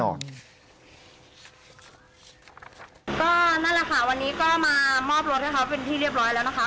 นั่นแหละค่ะวันนี้ก็มามอบรถให้เขาเป็นที่เรียบร้อยแล้วนะคะ